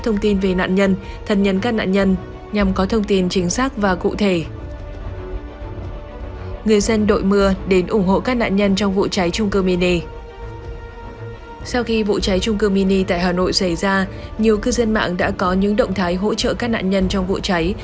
thông tin được chia sẻ trên mạng xã hội